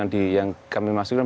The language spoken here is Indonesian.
bukan itu yang kami masukkan